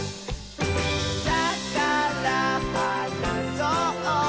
「だからはなそう！